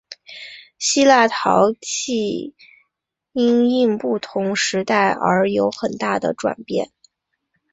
希腊的陶器因应不同时代而有很大的转变。